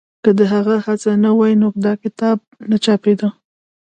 که د هغه هڅه نه وای نو دا کتاب نه چاپېده.